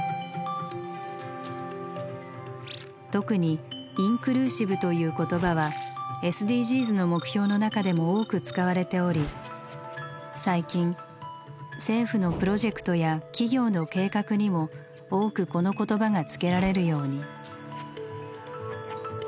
特に「インクルーシブ」という言葉はＳＤＧｓの目標の中でも多く使われており最近政府のプロジェクトや企業の計画にも多くこの言葉が付けられるように。